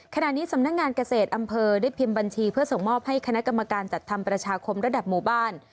ขณะนี้สำนักงานเกษตรอำเภอได้พิมพ์บัญชีเพื่อส่งมอบให้คณะกรรมการจัดทำประชาคมระดับหมู่บ้าน